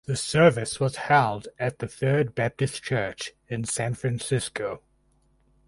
The service was held at the Third Baptist Church in San Francisco.